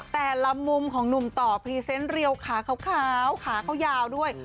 แต่ละมุมของหนุ่มต่อพรีเซนต์เรียวขาขาวขาเขายาวด้วย